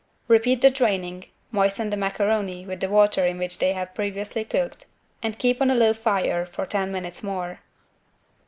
Repeat the draining, moisten the macaroni with the water in which they have previously cooked and keep on a low fire for ten minutes more.